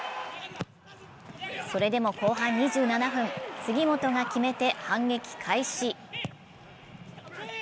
それでも後半２７分、杉本が決めて反撃開始。